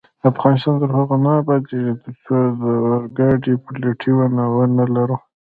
افغانستان تر هغو نه ابادیږي، ترڅو د اورګاډي پټلۍ ونلرو.